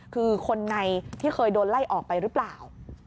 คือคนในที่เคยโดนไล่ออกไปหรือเปล่า